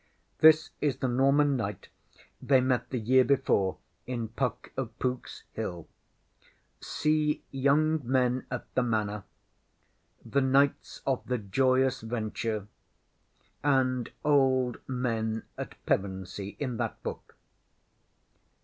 [This is the Norman knight they met the year before in PUCK OF POOKŌĆÖS HILL. See ŌĆśYoung Men at the Manor, ŌĆÖ ŌĆśThe Knights of the Joyous Venture, ŌĆÖ and ŌĆśOld Men at Pevensey, ŌĆÖ in that book.